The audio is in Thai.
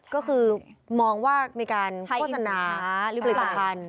ก็คือมองว่ามีการโฆษณาหรือผลิตภัณฑ์